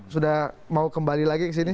sudah mau kembali lagi ke sini